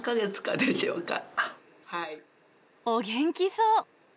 お元気そう。